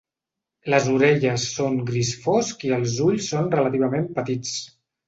Les orelles són gris fosc i els ulls són relativament petits.